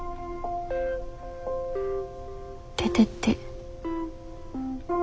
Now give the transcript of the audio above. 出てって。